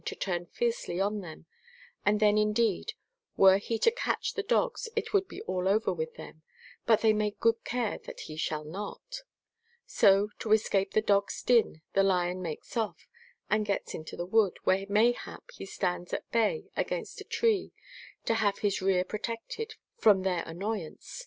LIX. THE PROVINCE OF CUIJU. 89 turn fiercely on them, and then indeed were he to catch the dogs it would be all over with them, but they take good care that he shall not. So, to escape the dogs' din, the lion makes off, and gets into the wood, where mayhap he stands at bay against a tree to have his rear protected from their annoy ance.